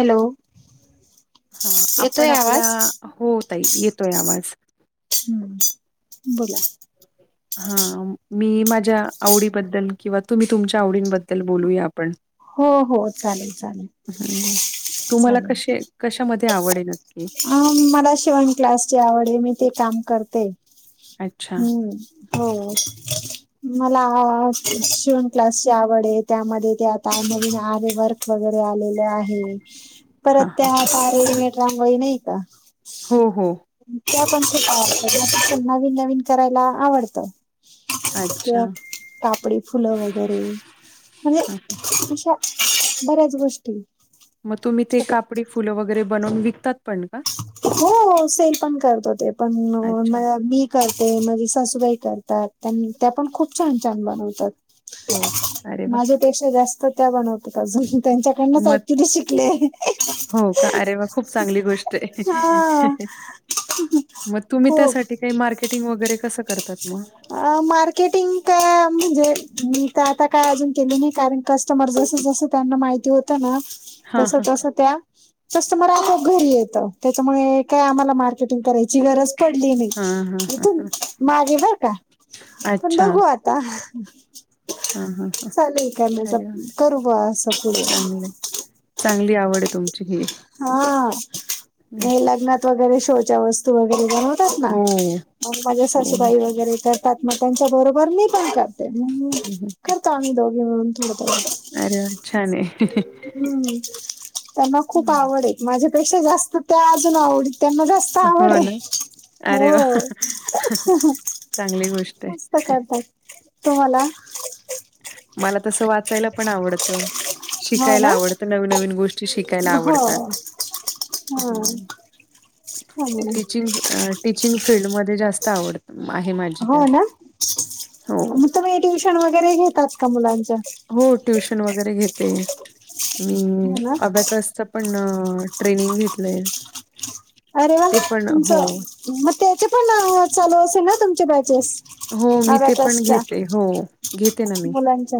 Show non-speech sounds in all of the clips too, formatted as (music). Hello हा आपण येतोय आवाज? आपल्या, हो ताई येतोय आवाज. हम्म बोला. हा मी माझ्या आवडीबद्दल, किंवा तुम्ही तुमच्या आवडींबद्दल बोलूया आपण. हो हो चालेल चालेल. हं, तुम्हाला चालेल. कसे कशामध्ये आवड आहे नक्की. अ मला शिवण क्लास ची आवड आहे मी ते काम करते. अच्छा. हम्म हो मला शिवण क्लासची आवड आहे. त्यामध्ये त्या त्या मधून आरी वर्क वगैरे आलेल आहे. परत हां, हां. त्यात रेडीमेड रांगोळी नही का. हो हो त्या पण खूप आवडत. त्याण नवीन नवीन करायला आवडत. अच्छा. किंवा कापडी फुल वगैरे, म्हणजे हां. तशा बऱ्याच गोष्टी मग तुम्ही ते छोट्या कापडी फुल वगैरे बनवून विकतात. पण का? हो हो सेल पण करतो ते पण. अच्छा. मी करते. माझी सासूबाई करतात. त्या पण खूप छान छान बनवतात. हो अरे व्वा पेक्षा जास्त त्या बनवतात अजून त्यांच्याकडनच मग ऍक्चुली शिकले. हो का? अरे वाह! खूप चांगली गोष्ट आहे. हा मग तुम्ही खूप त्यासाठी काही मार्केटिंग वगैरे कसं करतात मग? अ मार्केटिंग का म्हणजे मी तर आता काय अजून केले नाही कारण कस्टमर जस जस त्यांना माहिती होत ना हां, तस हां. तस त्या कस्टमर आपोआप घरी येतं. त्याच्यामुळे काय आम्हाला मार्केटिंग करायची गरज पडली नाही हां, हां, हां, इथून हां. मागे बरका पण अच्छा. बघूआत ता हां, हां, हां. चालेल अरे वाह! करण्यासारख करू बुवा असं पुढे चांगलं आहे. चांगली आवड आहे तुम हा हं. हे लग्नात वगैरे शोच्या वस्तू वगैरे बनव तेचना हो माझ्या हो. सासूबाई वगैरे करतात मग त्यांच्या बरोबर मी पण करते. हं, करतो आम्ही दोघे मिळून थोडं थोड अरेवा छान ये त्यांना खूप आवड हे माझ्यापेक्षा जास्त त्या अजून आवडत त्यांना जास्त चा हो आवडये ना अरे वा हो. चांगली गोष्ट मस्त आहे. करतात तुम्हाला मला तसं वाचायला पण आवडतं. हो शिकायला ना आवडतं नवीन नवीन गोष्टी शिकायला आवडतात. हमम. हं. टीचिंग अ टीचिंग फिल्ड मधे जास्त आवड आहे माझी हो त्यात ना हो. मग तुम्ही ट्युशन वगैरे घेतात का मुलांच्या? हो ट्युशन वगैरे घेते मी हो ना अब्याकसचा पण ट्रेनिंग घेतलंय. अरे वा ते पण तुमचं हो मग त्याचे पण चालू अ असेल ना तुमचे बॅचेस हो मी ते पण अबॅकसच्या घेते हो घेते ना मी मुलांच्या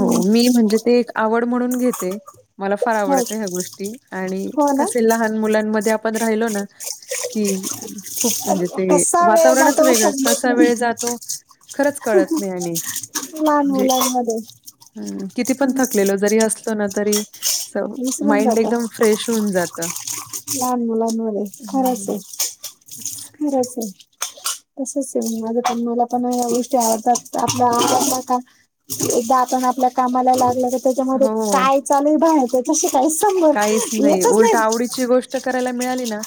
हो मी म्हणजे ते एक आवड म्हणून घेते मला फार हो आवडते ह्या गोष्टी आणि हो ना कसे लहान मुलांमध्ये आप पण राहिलो ना की खूप म्हणजे अरे, ते कसा वेळ वातावरणच जातो वेगळच कस समजत नाही वेळ जातो खरंच कळत नाही आणि लहान म्हणजे मुलांमध्ये हम किती पण हम्म. थकलेलो जरी असलो ना तरी अस विसरून माइंड जातो एकदम फ्रेश होऊन जात. लहान मुलांमध्ये खराच ये. ठीक (inaudible) खरच ये. तसच ये माझ पण मला पण गोष्टी आवडतात आपल्या आवरल का एकदा आपण आपल्या कामाला लागल तर त्याच्यामध्ये हो काय चालूये बाहेरच तसे काहीच काहीच संबंधर येतच उलट नाही. आवडीची गोष्ट करायला मिळाली ना,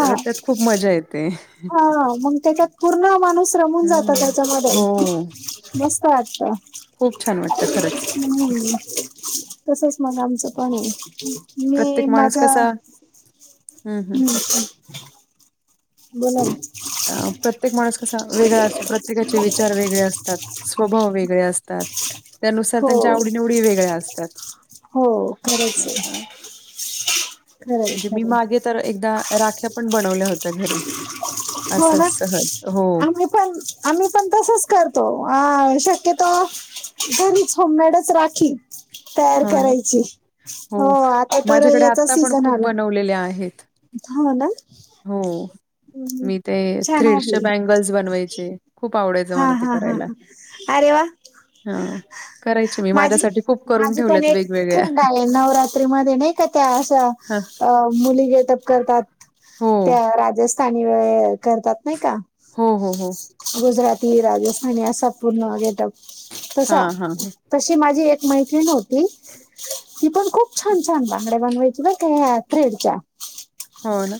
तर त्यात खूप मजा येते. हा मग त्याच्यात पूर्ण माणूस रमून हं, जातात समाधान हो. मस्त वाटत. खूप छान वाटतं खरंच. तसच मग आमचं पण आहे मी माझ्या हमम हम हम. बोला ना. आं. प्रत्येक माणुस कसा वेगळा असतो. प्रत्येकाचे विचार वेगळे असतात. स्वभाव वेगळे असतात. त्यानुसार हो त्यांच्या आवडीनिवडीही वेगळ्या असतात. हो खरंच आहे खरंय म्हणजे मी खरंय मागे तर एकदा राख्या पण बनवल्या होत्या घरी. हो ना असच सहज. हो. आम्ही पण आम्ही पण तसच करतो. अ- शक्यतो- घरीच. होममेडच राखी. तयार हो ना. करायची. हो. आता तर माझ्याकडे याचा आत्ता पण सीझन खूप आला. बनवलेल्या आहेत. हो ना? हो, हं. मी ते छान थ्रेड्सच्या हॉबी ए. बँगल्स बनवायचे. खूप आवडाय- हा. हा. हा. हा. आरे वा! हा. करायचे मी. माझी माझ्यासाठी खूप- करून माझी पण ठेवल्यात एक वेगवेगळ्या. फ्रेंड आहे. नवरात्रीमध्ये नाही का त्या अशा- हां, अ. मुली गेटअप करतात. हो. त्या राजस्थानी वे -करतात नाही का? हो. हो. हो. गुजराती, राजस्थानी असा पूर्ण गेेटअप. तसा- हां, हां, हां. तशी माझी एक मैत्रीण होती. ती पण खूप छान छान बांगड्या बनवायची बर का या थ्रेडच्या. हो ना?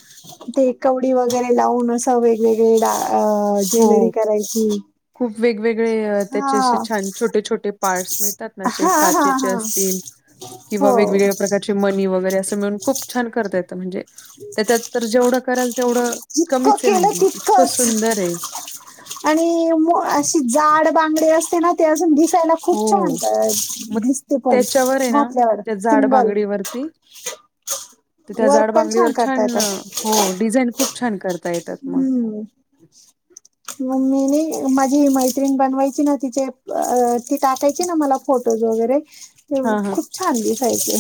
ते कवडी वगैरे लावून असं वेगवेगळे दा अ हो. -ज्वेलरी करायची. खूप वेगवेगळे त्याचे असे हा छान छोटे छोटे- पार्टस मिळतात ना असे हा हा काचेचे हा असतील किंवा हो वेग वेगळ्या प्रकार - -चे मणी वगैरे असं मिळून, खूप छान करता येतं म्हणजे? त्याच्यात तर जेवढं कराल तेवढं जितकं कमीचे केलं म्हणजे, इतकं तितकंच सुंदरे. आणि मो अशी जाड बांगडी असते ना? ते अजून दिसायला- खूप छान हो. मग दिसते पण, घातल्यावर सिंगल. वरती? त्या वर्क जाड पण बांगडीवर करता छान, येतात. हो. डिझाईन खूप छान करता येतात मग. हम्म. (inaudible) म मी नाही. माझी मैत्रिण बनवायची ना? तिचे ती टाकायची ना मला- फोटोज वगैरे, ते हां, हां. खूप छान दिसायचे.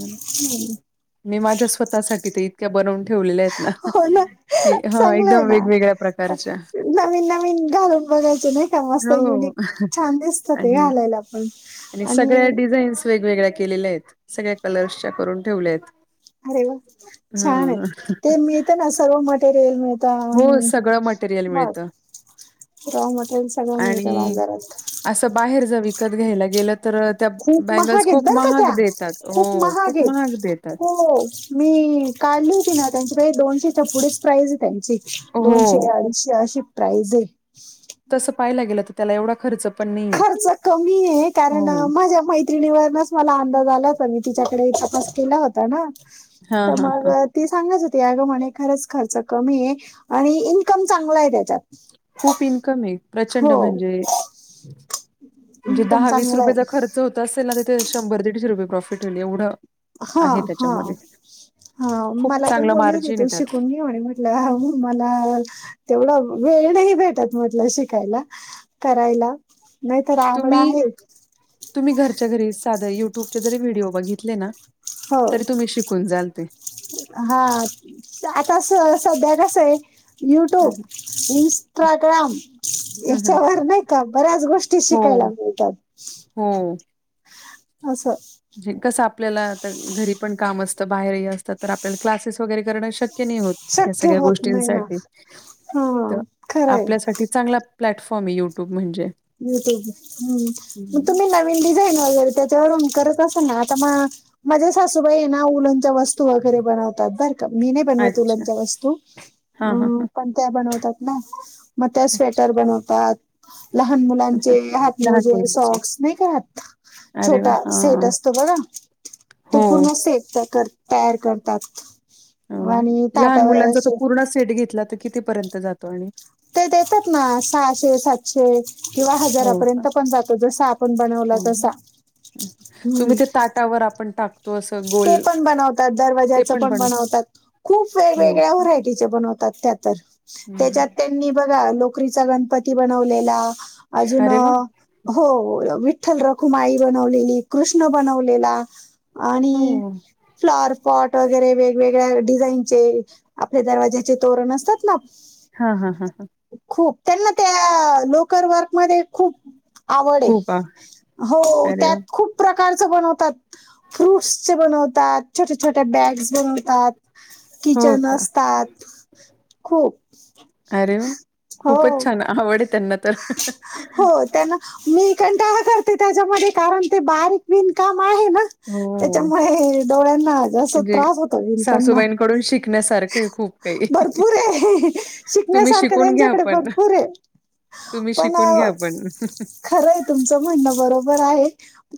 हं. मी माझ्या स्वतःसाठी तर इतक्या बनवून ठेवलेल्या आहेत. हो ना कि, हा. चांगलंय एकदम ना. वेगवेगळ्या प्रकारच्या. नवीन नवीन घालून बघायचे नाही का मस्त हो. आणि- ह. आणि सगळ्या डिझाईन्स वेगवेगळ्या केलेल्यायेत. सगळ्या कलर्सच्या करून ठेवल्याएत. अरे वा! छानएत. ते मिळते ना? सर्व मटेरियल मिळते. (unintelligible) हो, रॉ सगळं मटेरियल मिळतं मटेरियल सगळं मिळतं आणि बाजारात. असं बाहेर जर विकत घ्यायला गेलं तर त्या खूप बँगल्स महाग आहेत खूप बर का महाग त्या देतात, हो खूप महाग देतात. हो मी काढली होती ना त्यांची प्राईज, दोनशेच्या पुढेच प्राईजे. त्यांची दोनशे, हो, अडीचशे, अशी प्राईजे. तसं पायलागेलं त, त्याला एवढा खर्च पण नाहीये. खर्च कमीये, कारण हो. माझ्या मै त्रिणीवरनच मला अंदाज आला होता, मी तिच्याकडे तपास केला होता ना, हां, त हां, मग हां. ती सांगात होती, अग म्हणे खरंच खर्च कमीये, आणि इन्कम चांगलाय, त्याच्यात. खूप इन्कमे, प्रचंड हो म्हणजे, म्हणजे इन्कम दहा वीस चांगला रुपयेचा आहे. खर्च होत असेल ना, तिथे शंभर, दीडशे रुपये प्रॉफिट होईल एवढं. हा, आहे हा, त्याच्यामध्ये हा, खूप मला पण चांगलं बोलली होती मार्जिन तू आहे त्यात शिकून घे. म्हणे, म्हटलं हा म मला तेवढा वेळ नाही भेटत म्हटलं शिकायला. करायला, नाही तर आवड तुम्ही आहे. तुम्ही घरच्या घरी साध्य युट्यूबचे जरी व्हिडीओ बघितले ना, हो तरी तुम्ही शिकून जाल ते. हा आता सध्या कसंये, युट्यूब इंस्टाग्राम याच्यावर नाही का, बऱ्याच गोष्टी हो शिकायला मिळतात. हो. अस. म्हजे कसं, आपल्याला आता घरी पण काम असतं, बाहेरही असतात तर आपल्याला क्लासेस वगैरे करण शक्य क नाही होत, या शक्य सगळ्या होत नाही ना गोष्टींसाठी, हा तर खरंय आपल्यासाठी चांगला प्लॅटफॉर्मे, यूट्यूब म्हणजे. युट्युब, हम्म, म तुम्ही न डिझाईन वगैरे त्याच्यावर करत असे ना, आता म माझे सासूबाई ना, उलच्या वस्तू वगैरे बनवतात बर का? मी नाही बनवत अच्छा उलांच्या वस्तू. हा हा हा त्या बनवतात ना, म त्या अच्छा स्वेटर बनवतात. लहान मुलांचे, हात लहान मोजे, मुलांचे सॉक्स नाही का राहत. अरे वा! छोटा सेट हां. असतो बघा, तो हो, पूर्ण सेट त्या कर तयार करतात. हो ना, आणि लहान ताटावर मुलांचा तो असे पूर्ण सेट घेतला त, कितीपर्यंत जातो आणि. ते देतात ना, सहाशे, सातशे किंवा हो का? हजारापर्यंत पण जातो, जस आ हो ना, तुम्ही हम्म ते ताटावर आपण टाक ते पण बनवतात, दरवाज्याच पण बनवतात, खूप हो वेगवेगळ्या का? वराय टिच्या बनवतात, त्या तर, हं, हं. त्याच्यात ते. त्यानी बघा, लोकरीचा गणपती बनवलेला, अजून अरे अ वाह! हो, विठ्ठल रखुमाई बनवलेली, कृष्ण बनवलेला, आणि हो. फ्लार पॉट वगैरे वेगवेगळ्या डिझाईनचे आपले दरवाज्याचे तोरण असतात ना. हा-हा-हा-हा. खूप त्यांना त्या लोकर वर्कमध्ये खूप आवडे, खूप आ हो अरे त्यात वाह! खूप प्रकारच बनवतात. फ्रूट्स बनवतात. छोटे छोट्या बॅग्स बनवतात. हो किचन का? असतात. खूप. अरे.. ! हो खूपच छान, आवड आहे त्यांना तर. हो, त्यांना मी कंटाळा करते, त्याच्यामध्ये कारण ते बारीक विनकाम आहे ना. हो, त्याच्यामुळे डोळ्यांना जास्त त्रास होतो वितांना. कळुन शिक शिकण्यासारखंय खूप काही भरपूर आहे तुम्ही शिकण्यासारखं शिकून घ्या त्यांच्याकडे पण भरपूर आहे तुम्ही पण शिकून घ्या पण. खरंय तुमचं म्हणणं बरोबर आहे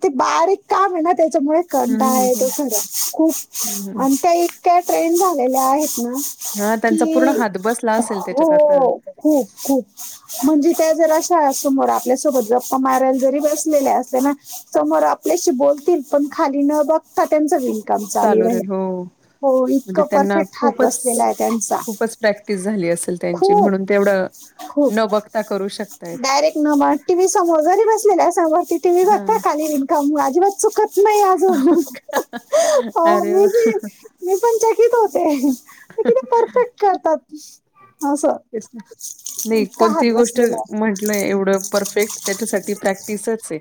ते बारीक काम आहे ना त्याच्यामुळे हं, आता हं, आहेत हं, खर खूप हं, हं. आणि त्या इतक्या ट्रेन झालेल्या आहेत ना हां, त्यांचा पूर्ण कि हात बसला हो असेल त्याच्यात आता. खूप खूप म्हणजे त्या जर अशा समोर आपल्यासोबत गप्पा मारायला जरी बसलेल्या असल्याना समोर आपल्याशी बोलतील पण खाली न बघता त्यांच होईल. काम चालू चाललय राहील हो. हो म्हणजे इतकं त्यांना परफेक्ट हात खूपच- बसलेला आहे त्यांचा खूपच प्रॅक्टिस झाली असेल त्यांची खूप म्हणून तेवढं खूप डायरेक्ट न ब टी वी समोर जरी बसलेल्या असा वरती टी वी बघता हां. खाली (unintelligible) अजिबात चुकत नाही आज हो का? (inaudible) हो अरे मी वाह! जे मी पण चकीत होत ये किती परफेक्ट करतात असं. नाही इतका कोणती हात ही गोष्ट बसलेला म्हंटलं एवढं परफेक्ट त्याच्यासाठी प्रॅक्टिसच चये.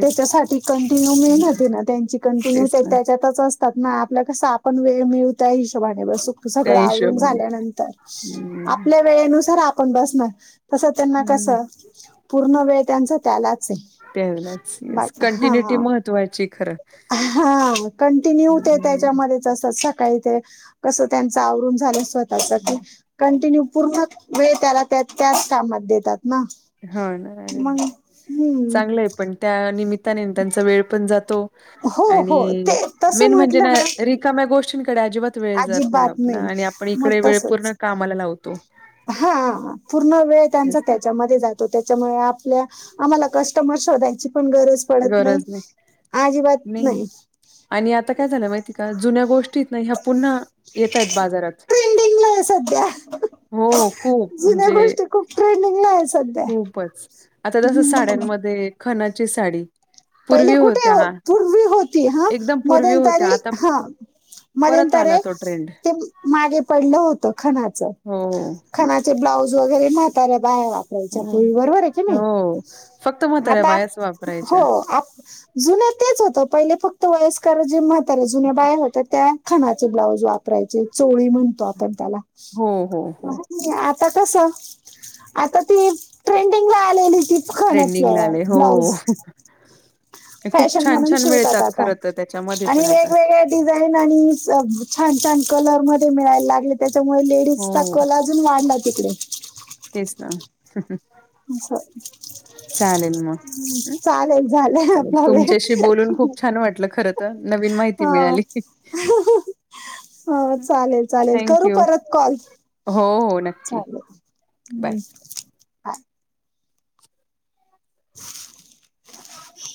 त्याच्यासाठी कंटिन्यू मेहनत येना त्यांची कंटिन्यू तेच ते ना त्याच्यात तच असतात ना आपल्या कस आपण वेळ मिळू त्या हिशोबाने बसू त्या सगळं आवरून हिशोबाने. झाल्यानंतर हं, आपल्या वेळेनुसार आपण बसणार तस त्यांना कस हं. पूर्ण वेळ त्यांचा त्यालाच आहे. त्यालाच येस हा कंटिन्युटी महत्त्वाची खरं. हा कंटिन्यू ते हं, त्याच्यामध्ये चस सकाळी ते कस त्यांच आवरून झालं स्वतःच हं. की कंटिन्यू पूर्ण वेळ त्याला त्या -त्याच कामात देतात ना. हां ना. अरे वाह! मग हम्म. चांगलंय पण त्या निमित्ताने त्यांचा वेळ पण जातो. हो हो आणि ते तसं मेन म्हणजे म्हटलं ना रिकाम्या गोष्टींकडे अजिबात वेळ जात नाही आपला आणि आपण मग इकडे वेळ पूर्ण तसच कामाला लावतो. हा पूर्ण वेळ त्यांचा तेच ना त्याच्यामध्ये जात त त्याच्यामुळे आपल्या आम्हाला कस्टमर शोधायची पण गरज पडत नाही अजिबात नाही. आणि आता काय झालं माहिती आहे का जुन्या गोष्टीत ना ह्या पुन्हा येत आहेत बाजारात ट्रेंडिंगला आहे सध्या हो खूप म्हणजे खुप ट्रेडिंगला आहे सद खूपच आता कस साड्यांमध्ये खनाची साडी पहिले पूर्वी कुठे होत्या हो हा पूर्वी होती हा एकदम पूर्वी होत्या मध्यंतरी आता हा परत आला मध्येंतरे तो ट्रेंड ते मी मागे पडलं होतं खणाचं हो खणाचे ब्लाऊज वगैरे म्हाताऱ्या बाया वाप यायच्या हो पो बरोबर ये की हो. फक्त नाई म्हाताऱ्या आता बायाच हो. वापरायच्या आत जुने तेच होतं पहिले फक्त वयस्कर जे म्हत्याऱ्या जुन्या बाया होत्या त्या खणाचे ब्लाऊज वापरायचे चोळी म्हणतो आपण त्याला. हो हो हो. ज्या आता कसं आता ती ट्रेंडिंगला आलेली ती खणाच ट्रेंडिंगला आले. हो. ब्लाऊज. (inaudible) खूप फॅशन म्हणून छान-छान शिवतातं मिळतात आता खरं तर त्याच्यामध्ये पण आणि आता. वेगवेगळे डिझाईन आणि छान छान कलर मध्ये मिळायला लागले त्याच्यामुळे ले डीच चा हो, कल अजून वाढलाय तिकडे. तेच ना. आस. चालेल मग. हं, चालेलं झालंय चालेल. आपला वेळ. तुमच्याशी बोलून खूप छान वाटलं खरं तर. नवीन माहिती हो. मिळाली. ह चालेल चालेल थँक परत यू. करू कॉल. हो हो नक. चालेल हम्. (inaudible)